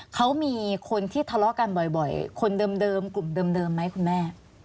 เขามีคนที่ทะเลาะกันบ่อยคนเดิมกลุ่มเดิมไหมคุณแม่